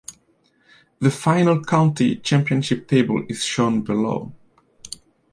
The final County Championship table is shown below.